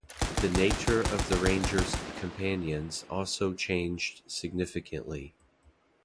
The nature of the ranger's companions also changed significantly.